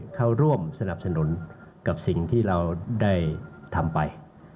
เข้าร่วมสนับสนุนกับสิ่งที่เราได้ทำไป